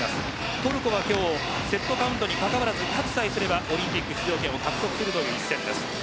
トルコは今日、セットカウントにかかわらず勝ちさえすればオリンピック出場権を獲得する一戦です。